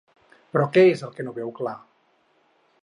Però què és el que no veu clar?